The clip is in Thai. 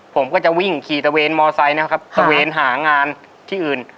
ผมก็จะวิ่งขี่ตะเวนมอไซค์นะครับตะเวนหางานที่อื่น